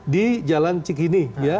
di jalan cikini